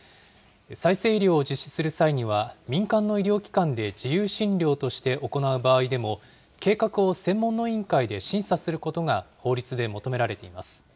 再生医療を実施する際には、民間の医療機関で自由診療として行う場合でも、計画を専門の委員会で審査することが法律で求められています。